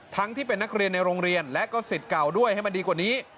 ที่เป็นนักเรียนในโรงเรียนและก็สิทธิ์เก่าด้วยให้มันดีกว่านี้